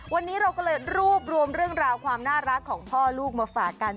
วันนี้เราก็เลยรวบรวมเรื่องราวความน่ารักของพ่อลูกมาฝากกัน